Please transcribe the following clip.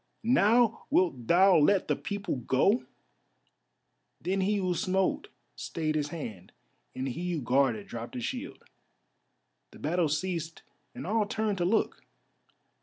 "Now wilt thou let the people go?" Then he who smote stayed his hand and he who guarded dropped his shield. The battle ceased and all turned to look.